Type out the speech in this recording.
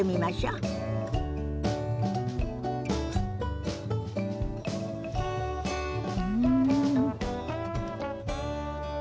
うん。